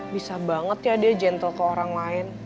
bisa banget ya dia gentle ke orang lain